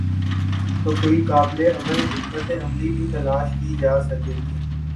تو کوئی قابل عمل حکمت عملی بھی تلاش کی جا سکے گی۔